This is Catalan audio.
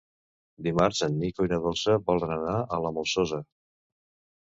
Dimarts en Nico i na Dolça volen anar a la Molsosa.